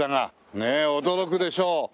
ねえ驚くでしょう。